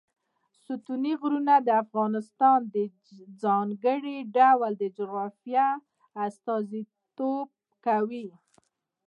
ستوني غرونه د افغانستان د ځانګړي ډول جغرافیه استازیتوب کوي.